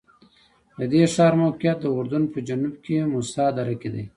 د دې ښار موقعیت د اردن په جنوب کې موسی دره کې دی.